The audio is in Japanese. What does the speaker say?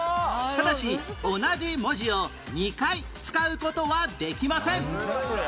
ただし同じ文字を２回使う事はできません